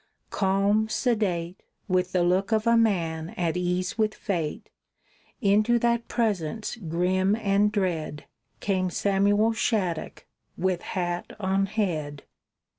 Calm, sedate, With the look of a man at ease with fate, Into that presence grim and dread Came Samuel Shattuck, with hat on head.